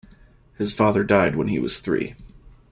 His father died when he was three.